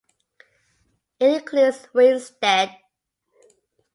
It includes Winsted.